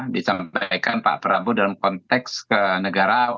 disampaikan pak prabowo dalam konteks ke negara